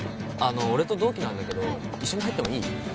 俺と同期なんだけど一緒に入ってもいい？